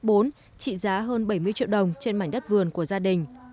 trị giá hơn bảy mươi triệu đồng trên mảnh đất vườn của gia đình